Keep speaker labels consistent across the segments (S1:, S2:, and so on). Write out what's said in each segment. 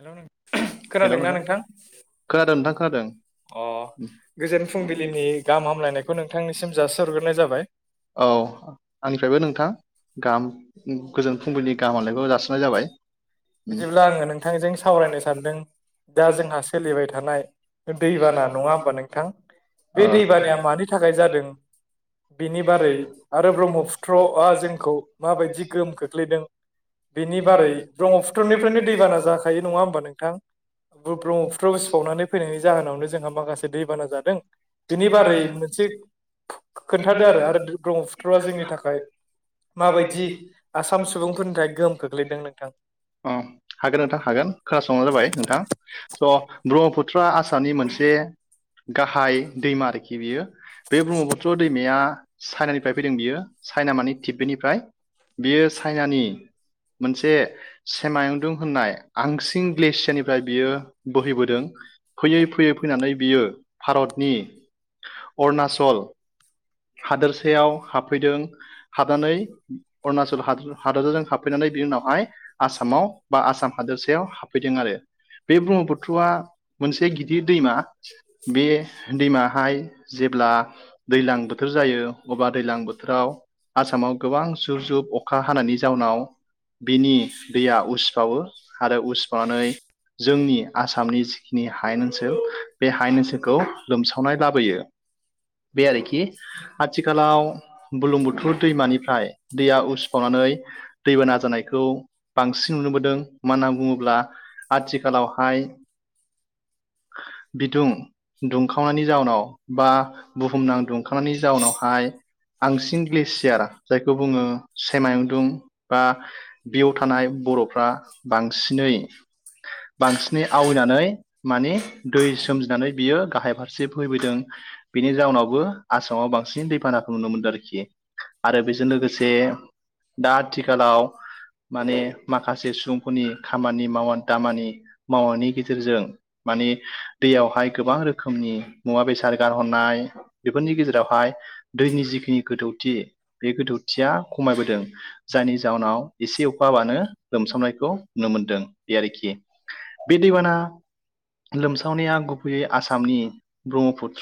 S1: हेल' खोनादोंना नोंथां?
S2: खोनथाखादों।
S1: अ गोजोन फुंबिलिनि गाहाम हामलायनायखौ नोंथांनिसिम जाासरग्रोनाय जाबाय।
S2: औ आंनिफ्रायबो नोंथां। गाहाम गोजोन फुंबिलिनि गाहामलायखौ जासिननाय जाबाय। उम,
S1: बिदिब्ला आङो नोंथांजों सा सावरायनो सानदों दा जोंहा सोलिबाय थानाय दैबाना नङा होमबा नोंथां। बे
S2: ओ
S1: दैबानाया मानि थाखाय जादों बिनि बारै आरो ब्रह्मपुत्रआ जोंखौ माबायदि गोहोम खोख्लैदों। बेनि बारै ब्रह्मपुत्रनिफ्रायनो दै बाना जाखायो नङा होनबा नोंथां ब्रह्मपुत्राव सि सबावनानै फैनायनिनि जाहोनावनो जोंहा माखासे दैबाना जादों। बेनि बारै मोनसे खोन्थादो आरो ब्रह्मपुत्रआ जोंनि थाखाय मा बायदि आसाम सुबुंफोरनिफ्राय गोहोम खोख्लैदों नोंथां।
S2: अ हागोन नोंथां हागोन। खोनासंबानो जाबाय नोंथां स' ब्रह्मपुत्र आसामनि मोनसे गाहाइ दैमा आरोखि बेयो। बे ब्रह्मपुत्र चाइनानिफ्राय फैदों बियो चाइना माने तिब्बेतनिफ्राय बेयो चाइनानि मोनसे सेमायुंदुं होननाय आंसिं ग्लेसियारनिफ्राय बियो बोहैबोदों। फैयै फैयै फैनानै बियो भारतनि अरुणाचल हादोरसायाव हाबफैदों हाबनानै अरुणाचल हादोरसाजों हाब हाबफैनानै बिनि उनावहाय आसामाव बा आसाम हादोरसायाव हाबफैदों आरो। बे ब्रह्मपुत्रआ मोनसे गिदिर दैमा। बे दैमाहाय जेब्ला दैज्लां बोथोर जायो अब्ला दैज्लां बोथोराव आसामाव गोबां जुब जुब अखा हानायनि जाउनाव बिनि दैया उसिफावो आरो उसिफावनानै जोंनि आसामनि जिखिनि हायेन ओनसोल बे हायेन ओनसोलखौ लोमसावनाय लाबोयो। बे आरोखि । आथिखालाव बुरलुंबुथुर दैमानिफ्राय दैया उसिफावनानै दैबाना जानायखौ बांसिन नुनोबोदों। मानो होनना बुङोब्ला आथिखालावहाय बिदुं दुंखावनायनि जाउनाव, बा बुहुमनां दुंखावनायनि जाउनावहाय बांसिन ग्लेसियार जायखौ बुङो सेमायुंन्दुं बा बेयाव थानाय बर'फ्रा बांसिनै बांसिनै आवलिनानै माने दै सोमजिनानै बेयो गाहाय फारसे फैबोदों। बेनि जाउनावबो आसामाव बांसिन दैबानाखौ नुनो मोनदों आरोखि आरो बेजों लोगोसे दा आथिखालाव माने माखासे सुबुंफोरनि खामानि माव दामानि मावनायनि गेजेरजों मानिे दैयावहाय गोबां रोखोमनि मुवा बेसाद गार होननाय बेफोरनि गेजेरावहाय दैनि जिखिनि गोदौथि बे गोदौथिया खमायबोदों जायनि जाहोनाव एसे अखाबानो लोमसावनायखौ नुनो मोनदों बे आरोखि। बे दैबाना लोमसावनाया गुबैयै आसामनि ब्रह्मपुुत्र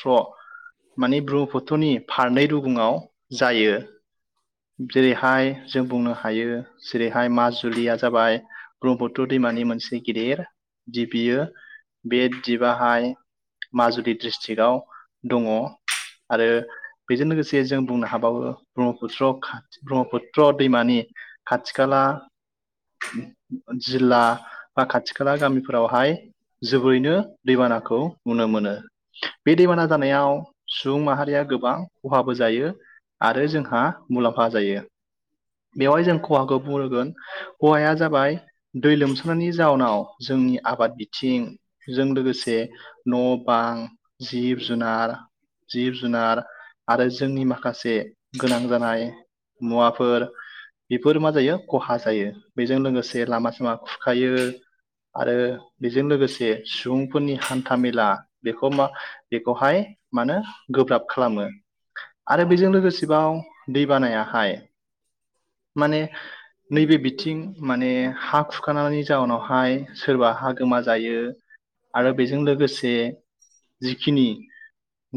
S2: माने ब्रह्मपुत्रनि फारनै रुुगुङाव जायो। जेरैहाय जों बुंनो हायो। जेरैहाय माजुलिया जाबाय ब्रह्पुत्र दैमानि मोनसे गिदिर दिबियो बे पाहाय माजुलि डिस्ट्रिक्टआव दङ आरो बेजों लोगोसे जों बुंनो हाबावो ब्रह्मपुत्र खा ब्रह्मपुत्र दैमानि खाथि खाला जिल्ला बा खाथि खाला गामिफोरावहाय जोबोरैनो दैबानाखौ नुनो मोनो। बे दैबाना जानायाव सुबुं माहारिया गोबां खहाबो जायो। आरो जोंहा मुलाम्फा जायो बेवहाय जों खहाखौ बुंगोन हौवाया जाबाय दै लोमसांनायनि जाउनाव जोंनि आबाद बिथिं जों लोगोसे न' बां जिब जुनार जिब जुनार आरो जोंनि माखासे गोनां जानाय मुवाफोर बेफोर मा जायो खहा जायो बेजों लोगोसे लामा सामा खुरखायो आरो बेजों लोगोसे सुबुंफोरनि हान्थामेला बेखौ मा बेखौहाय मानो गोब्राब खालामो आरो बेजों लोगोसेबाव दै बानाया हाय माने नैबे बिथिं माने हा खुरखानायनि जाउोनावहाय सोरबा हा गोमा जायो आरो बेजों लोगोसे जिखिनि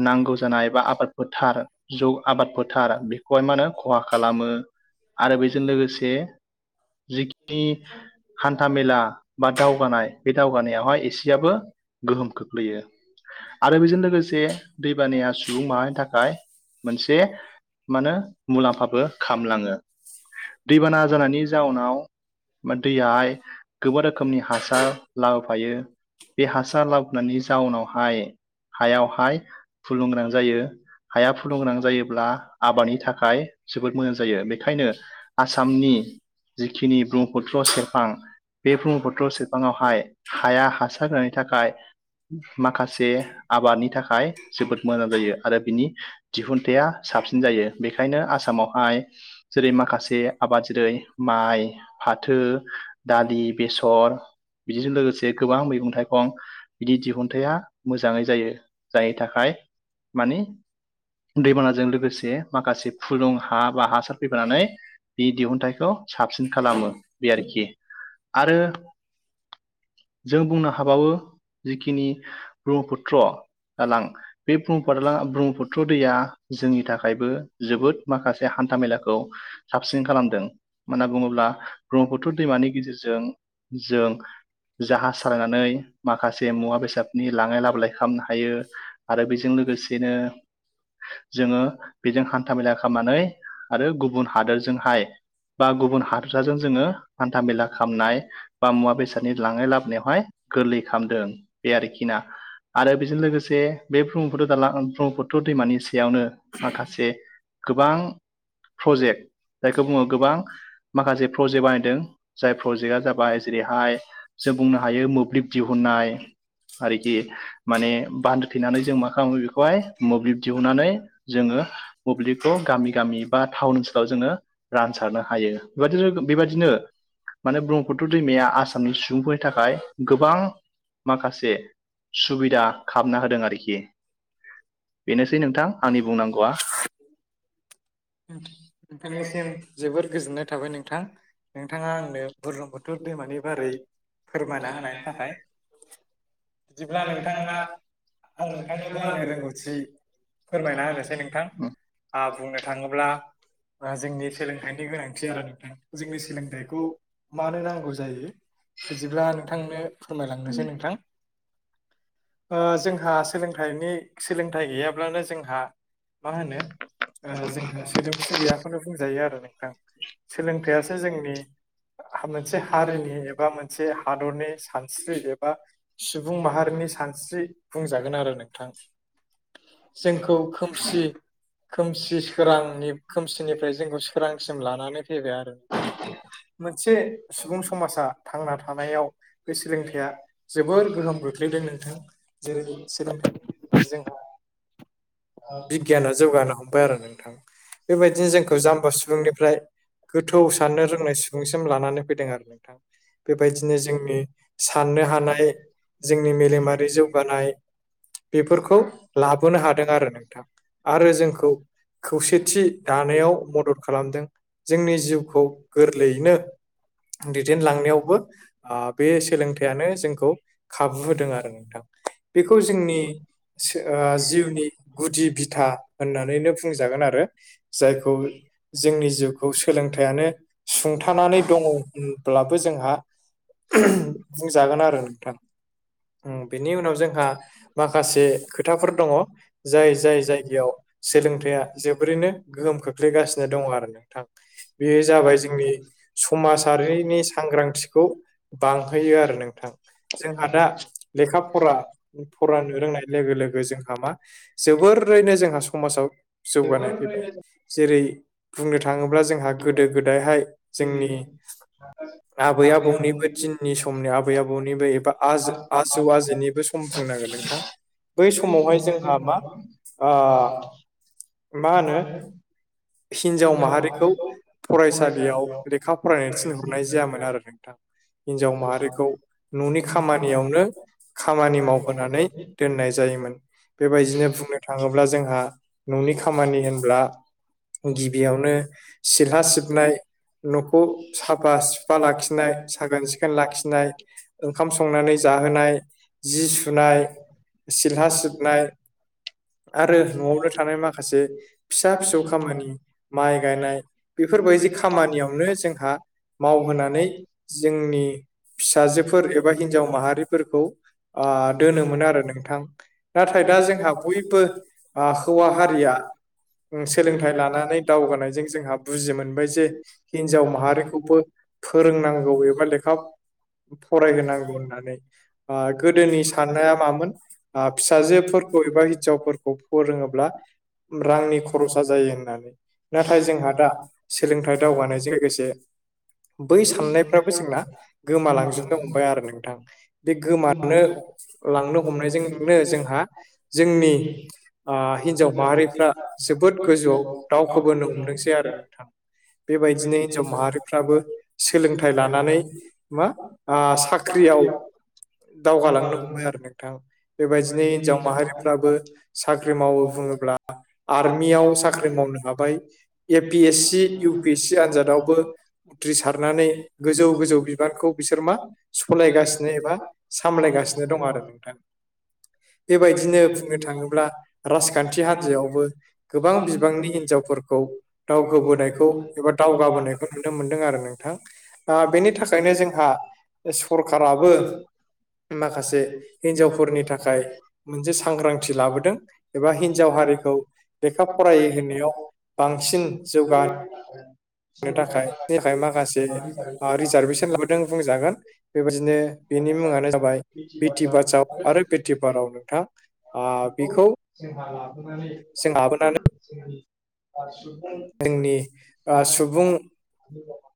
S2: नांगौ जानाय बा आबाद फोथार जौ आबाद फोथार बे खौहाय मा होनो खहा खालामो आरो बेजों लोगोसे जिखिनि हान्थाामेला बा दावगानाय बे दावगानायावहाय एसेयाबो गोहोम खोख्लैयो आरो बेजों लोगोसे दैबानाया सुबुं माहानि थाखाय मोनसे मानो मुलाम्फाबो खामलाङो दैबाना जानायनि जाउनाव दैयाहाय गोबां रोखोमनि हासार लाबोफायो बे हासार लाबोननि जाउनावहाय हायावहाय फुलुंगोनां जायो। हाया फुलुं गोनां जायोब्ला आबादनि थाखाय जोबोद मोजां जायो बे बेखायनो आसामनि जिखिनि ब्रह्मपुत्र सेरफां बे ब्रह्मपुत्र सेरफाङावहाय हाया हासार होनायनि थाखाय माखासे आबादनि थाखाय जोबोद मोजां जायो आरो बिनि दिहुनथाइा साबसिन जायो बेखायनो आसामावहाय जेरै माखासे आबाद जेरै माइ फाथो दालि बेसर बिदिजों लोगोसे गोबां मैगं थाइगं बिदि दिहुनथाइ मोजाङै जायो जायनि थाखाय मानि दैमानाजों लोगोसे माखासे फुदुं हा बा हासार फैबोनानै बि दिहुनथाइखौ साबसिन खालामो बे आरोखि आरो जों बुंनो हाबावो जिखिनि ब्रह्मपुत्र दालां बे ब् ब्रह्मपुत्र दैया जोंनि थाखाय जोबोद माखासे हान्था मेलाखौ साबसिन खालामदों म्ना बुङोब्ला ब्रह्मपुत्र दैमानि गेजेरजों जों जाहाज सालायनानै माखासे मुवा बेसाद लांलाय लाबोलाय खालामनो हायो आरो बेजों लोगोसेनो जोङो बेजों हान्था मेला खालामनानै आरो गुबुन हादोरजोंहाय बा गुबुन हादसाजों जोङो हान्था मेला खालामामनाय बा मुवा बेसादनि लांनाय लाबोनायावहाय गोरलै खालामदों बे आरोखि ना आरो बेजों लोगोसे बे ब्रह्मप दालां ब्रह्मपुत्र दैमानि स माखासे गोबां प्रजेक्ट जायखौ बुङो गोबां माखासे प्रजेक्ट बानायदों जाय प्रजेक्टआ जाबाय जेरैहाय जों बुंनो हायो मोब्लिब दिहुननाय आरोखि माने बान्दो थेनानै जों मा खालामो बेखौहाय मोब्लिब दिहुननानै जोङो मोब्लिबखौ गामि गामि बा टाउन ओनसोलाव जोङो रानसारनो हायो बेनो बेबायदिनो माने ब्रह्मपुत्र दैमाया आसामनि सुबुंफोरनि थाखाय गोबां माखासे से‌ सुबिदा खालामना होदों आरोखि बेनोसै नोंथां आंनि बुंनांगौआ
S1: नोंथांनिसिम जोबोर गोजोननाय थाबाय नोंथां नोंथाङा आंनो बुर्लुंबुथुर दैमानि बारै फोरमायना होनायनि थाखाय बिदिब्ला नोंथाङा आं नोंथांनोबो आंनो रोंगौथि फोरमायना होनोसै नोंथां आं बुंनो थाङोब्ला जोंनि सोलोंथाइनि गोनांथि आरो नोंथां जोंनि सोलोंथाइखौ मानो नांगौ जायो बिदिब्ला नोंथांनो फोरमायलांनोसै नोंथां ओ जोंहा सोलोंथाइनि सोलोंथाइ गैयाब्लानो जोंहा मा होनो
S2: [unintelligible]
S1: बेखौनो बुंजायो आरो नोंथां सोलोंथाइआसो जोंनि मोनसे हारिनि एबा मोनसे हादरनि सानस्रि एबा सुबुं माहारिनि सानस्रि बुंजागोन आरो नोंथां जोंखौ खोमसि खोमसि सोरांनि खोमसिनिफ्राय जोंखौ सोरांसिम लानानै फैबाय आरो मोनसे सुबुं समाजा थांना थानायाव बे सोलोंथाइया जोबोर गोहोम खख्लैदों नोंथां जेरै सोलोंथाइनि जोंहा बिगियान आ जौगानो हम आरो नोंथां बेबायदिनो जोंखौ जाम्बा सुबुंनिफ्राय गोथौ साननो बुंनाय सुबुंसिम लानानै फैदों आरो नोंथां बेबायदिनो जोंनि साननो हानाय जोंनि मेलेमारि जौगानाय बेफोरखौ लाबोनो हादों आरो नोंथां आरो जोंखौ खौसेथि दानायाव मदद खालामदों जोंनि जिउखौ गोरलैयैनो दैदेनलांनायावबो बे सोलोंथाइयानो जोंखौ खाबु होदों आरो नोंथां बेखौ जोंनि सो ओ जिउनि गुदि बिथा होननानैनो बुंजागोन आरो जायखौ जोंनि जिउखौ सोलोंथायानो सुंथानानै दङ होनब्लाबो जोंहा [unintelligible] बुंजागोन आरो नोंथां बेनि उनाव जोंहा माखासे खोथाफोर दङ जाय जाय जायगायाव सोलों थाया जोबोरैनो गोहोम खोख्लैगासिनो दङ आरो नोंथां बेयो जाबाय जोंनि समाजारिनि सांग्रांथिखौ बांहोयो आरो नोंथां जोंहा दा लेखा फरा फरायानो रोंनाय नाय लोगो लोगो जोंहा मा जोबोरैनो जोंहा समाजाव जौगानाय फैबाय जेरै बुंनो थाङोब्ला जोंहा गोदो गोदायहाय जोंनि आबै आबौनिबो दिननि समनि आबै आबौनिबो आज आजौ आजैनिबो सम बुंनांगोन नोंथां। बै समावहाय जोंहा मा ओ- मा होनो। हिनजाव माहारिखौ फरायसालियाव लेखा फरायनो थिनहरनाय जायामोन आरो नोंथां। हिन्जाव माहारिखौ ननि खामानियावनो। खामानि मावहोनानै दोननाय जायोमोन बेबायदिनो बुंनो। थाङोब्ला जोंहा ननि खामानि होनब्ला। गिबियावनो सिला सिबनाय न'खौ साफा सुफा लाखिनाय साखोन सिखोन लाखिनाय ओंखाम संनानै जाहोनाय जि सुनाय सिला सिबनाय आरो न'आवनो थानाय माखासे माखासे फिसा फिसौ खामानि माइ गायनाय बेफोरबायदि खामानियावनो जोंहा मावहोनानै जोंनि फिसाजोफोर एबा हिनजाव माहारि फोरखौ ओ-दोनोमोनो आरो नोंथां। नाथाय दा जोंहा बयबो हौवा हारिया। सोलोंथाइ लानानै दावगानायजों जोंहा बुजि मोनबाय जे हिनजाव माहारिखौबो फोरोंनांगौ एबा लेखा फरायहोनांगौ होननानै आ- गोदोनि साननाया मामोन आ फिसाजोफोरखौ एबा हिन्जावफोरखौ फोरोङोब्ला रांनि खरसा जायो होननानै। नाथाय जोंहा दा सोलोंथाइ दावगानायजों लोगोसे बै साननायफ्राबो जोंना गोमालांजोबनो हमबाय आरो नोंथां। बे गोमानो लांनो हमनायजोंनो जोंहा जोंनि ओ हिनजाव माहारिफ्रा जोबोद गोजौआव दावखोबोनो हमदोंसै आरो नोंथां। बेबायदिनो हिनजाव माहारिफ्राबो सोलोंथाइ लानानै मा ओ-साख्रियाव दावगालांनो हमबाय आरो नोंथां। थां बेबायदिनो हिनजाव माहारिफ्राबो साख्रि मावो बुङोब्ला आर्मियाव साख्रि मावनो हाबाय A P S C U P S C आनजादावबो उथ्रिसारनानै गोजौ गोजौ बिबानखौ बिसोर मा सलायगासिनो एबा सामलायगासिनो दं आरो नोंथां। बेबायदिनो बुंनो थाङोब्ला राज खान्थि हान्जायावबो गोबां बिबांनि हिनजावफोरखौ दावगाबोनायखौ एबा दावगाबोनायखौ नुनो मोनदों आरो नोंथां। दा बेनि थाखायनो जोंहा सरखाराबो माखासे हिनजावफोरनि थाखाय मोनसे सांग्रांथि लाबोदों। एबा हिनजाव हारिखौ लेखा फराय होनायाव बांसिन जौगानो
S2: [inaudible]
S1: नो थाखायनि थाखाय माखासे ओ रिजार्भेसन लाबोदों बुंजागोन। बेबायदिनो बेनि मुङानो जाबाय बिटि बासाव आरो बिटि बाराव नोंथां। ओ
S2: खौ
S1: बेखौ
S2: [unintelligible] जोंहा लाबोनानै
S1: जों लाबोनानै
S2: जोंनि आरो सुबुं
S1: जोंनि ओ सुबुं
S2: [unintelligible]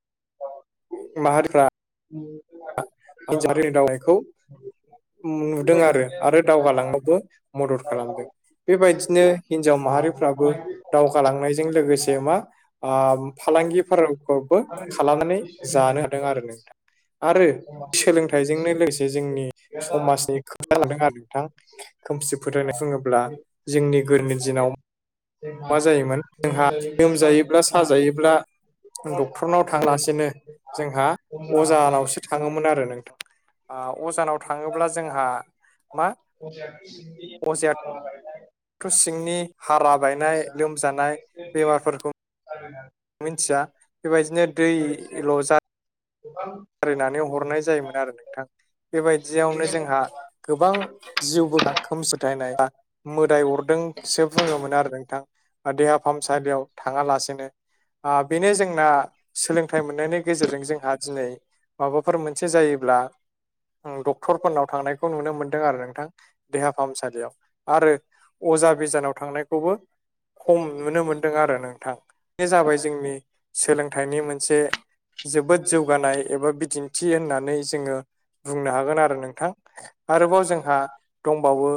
S1: माहारिफ्रा
S2: [unintelligible]
S1: आ रिनि दावनायखौ नुदों आरो आरो दावगालांनोबो मदद खालामदों। बेबायदिनो हिनजाव माहारिफ्राबो दावगालांनायजों लोगोसे मा ओ-फालांगिफोरखौबो खालामनानै जानो हादों आरो नोंथां। आरो सोलोंथाइजोंनो लोगोसे जोंनि समाजनि खोथादों आरो नोंथां। खोमसि फोथायनाय बुङोब्ला जोंनि गोदोनि दिनाव मा जायोमोन जोंहा लोमजायोब्ला साजायोब्ला डक्टरनाव थांलासिनो जोंहा अजानावसो थाङोमोन आरो नोंथां ओ अजानाव थाङोब्ला जोंहा मा
S2: अजाया [unintelligible]
S1: थ' सिंनि हारा बायनाय लोमजानाय बेमारफोरखौ
S2: आरोना
S1: मोनथिया बेबायदिनो दैल जा
S2: गोबां
S1: फोरोंनानै हरनाय जायोमोन आरो नोंथां। बेबायदियावनो जोंहा गोबां जिउबो खोमसि फोथायनाया मोदाय अरदोंसो बुङोमोनो आरो नोंथां देहा फाहामसालियाव थाङालासेनो। ओ बेनो जोंना सोलोंथाइ मोननायनि गेजेरजों जोंहा दिनै माबाफोर मोनसे जायोब्ला डक्टरफोरनाव थांनायखौ नुनो मोनदों आरो नोंथां देहा फाहामसालियाव आरो अजा बिजानाव थांनायखौबो खम नुनो मोनदों आरो नोंथां बे जाबाय जोंनि सोलोंथाइनि मोनसे जोबोद जौगानाय एबा बिदिन्थि होननानै जोङो बुंनो हागोन आरो नोंथां आरोबाव जोंहा दंबावो